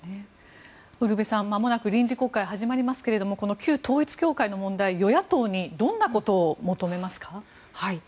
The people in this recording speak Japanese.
ウルヴェさんまもなく臨時国会が始まりますがこの旧統一教会の問題与野党にどんなことを求めますか？